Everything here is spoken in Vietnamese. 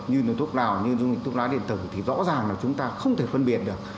như thuốc lào như thuốc lá điện tử thì rõ ràng là chúng ta không thể phân biệt được